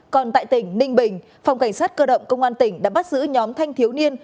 còn tại tỉnh ninh bình phòng cảnh sát cơ động công an tỉnh đã bắt giữ nhóm thanh thiếu niên